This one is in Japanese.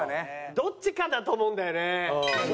どっちかだと思うんだよね。